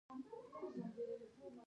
نارې يې کړې ای وروره ای مه وېرېږه.